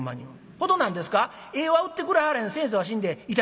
ほだ何ですか絵は売ってくれはらへん先生は死んでいてはらへん。